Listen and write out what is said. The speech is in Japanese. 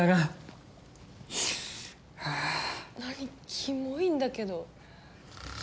キモいんだけど。